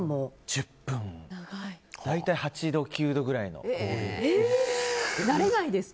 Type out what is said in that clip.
大体８度９度ぐらいです。